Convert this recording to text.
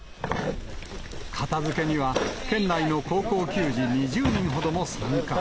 片づけには、県内の高校球児２０人ほども参加。